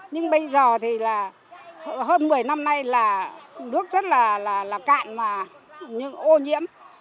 nhưng bây giờ thì là hơn một mươi năm nay là nước rất là cạn và ô nhiễm